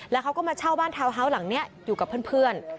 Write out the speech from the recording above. แล้วเขาก็มาเช่าบ้านทาวน์ฮาวส์หลังนี้อยู่กับเพื่อน